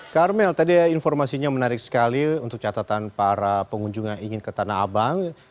karmel tadi informasinya menarik sekali untuk catatan para pengunjung yang ingin ke tanah abang